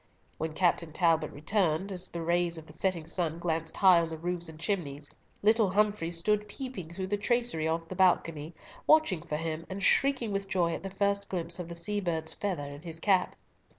When Captain Talbot returned, as the rays of the setting sun glanced high on the roofs and chimneys, little Humfrey stood peeping through the tracery of the balcony, watching for him, and shrieking with joy at the first glimpse of the sea bird's feather in his cap.